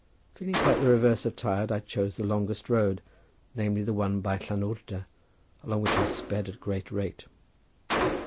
Feeling quite the reverse of tired I chose the longest road, namely the one by Llanwrda, along which I sped at a great rate.